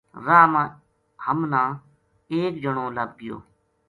راہ ما ہم نا ایک جنو لَبھ گیو